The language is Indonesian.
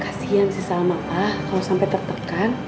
kasihan sih sama pak kalau sampai tertekan